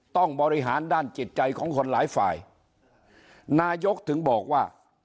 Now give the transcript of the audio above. ต้องบริหารด้านจิตใจของคนหลายฝ่ายนายกถึงบอกว่า